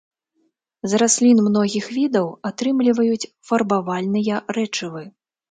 З раслін многіх відаў атрымліваюць фарбавальныя рэчывы.